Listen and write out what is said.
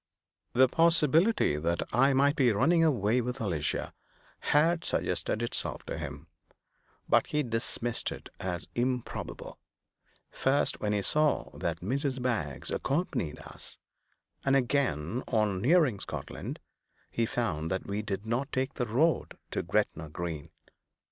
The possibility that I might be running away with Alicia had suggested itself to him; but he dismissed it as improbable, first when he saw that Mrs. Baggs accompanied us, and again, when, on nearing Scotland, he found that we did not take the road to Gretna Green.